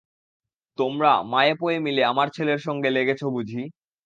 তোমরা মায়ে পোয়ে মিলে আমার ছেলের সঙ্গে লেগেছ বুঝি।